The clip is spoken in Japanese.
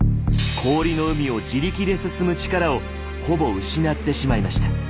氷の海を自力で進む力をほぼ失ってしまいました。